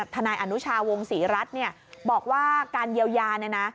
ทนายอนุชาวงศรีรัฐบอกว่าการเยียวยาเนี่ยนะ